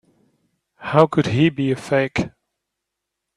How could he be a fake?